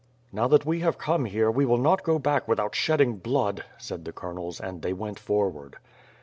"Now that we have come here, we will not go back without shedding blood," said the colonels and they went forward.